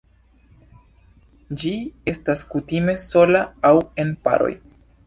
Ĝi estas kutime sola aŭ en paroj.